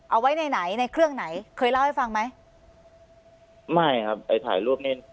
เอาไว้ในไหนในเครื่องไหนเคยเล่าให้ฟังไหมไม่ครับไอ้ถ่ายรูปนี้